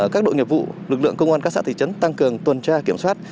các đội nghiệp vụ lực lượng công an các xã thị trấn tăng cường tuần tra kiểm soát